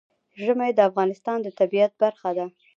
ژمی د افغانستان د طبیعت برخه ده.